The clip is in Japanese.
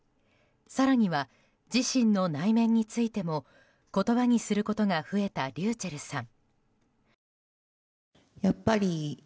更には自身の内面についても言葉にすることが増えたｒｙｕｃｈｅｌｌさん。